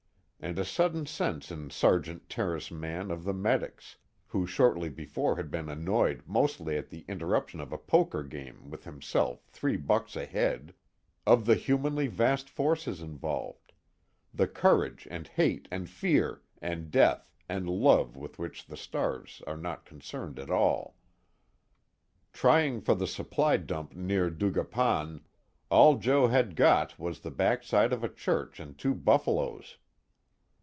And a sudden sense in Sergeant Terence Mann of the medics, who shortly before had been annoyed mostly at the interruption of a poker game with himself three bucks ahead, of the humanly vast forces involved, the courage and hate and fear and death and love with which the stars are not concerned at all. Trying for the supply dump near Dagupan, all Joe had got was the backside of a church and two buffalos.